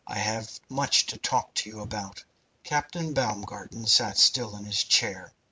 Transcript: I have much to talk to you about." Captain Baumgarten sat still in his chair.